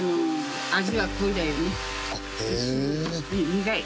苦い。